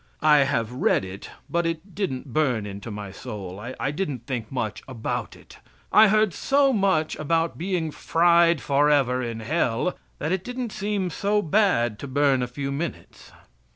I have read it, but it didn't burn into my soul. I didn't think much about it I heard so much about being fried forever in Hell that it didn't seem so bad to burn a few minutes.